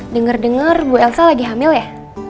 dengar dengar bu elsa lagi hamil ya